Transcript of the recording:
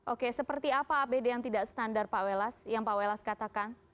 oke seperti apa apd yang tidak standar pak welas yang pak welas katakan